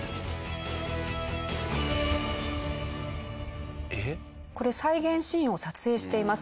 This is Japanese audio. そんなこれ再現シーンを撮影しています。